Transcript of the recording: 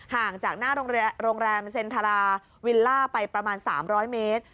ห่างจากหน้าโรงแรมเซ็นทราวิลล่าไปประมาณ๓๐๐เมตร